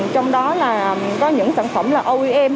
trong đó là có những sản phẩm là oem